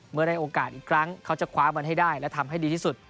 เมื่อได้โอกาสอีกครั้งเขาจะคว้ามันให้ได้และทำให้ดีที่สุด